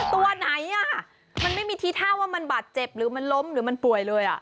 ตัวไหนมันไม่มีทีท่าว่ามันบาดเจ็บหรือมันล้มหรือมันป่วยเลย